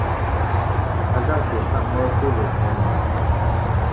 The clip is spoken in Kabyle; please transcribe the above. Ad aɣ-d-iqam wakud akken ad nečč.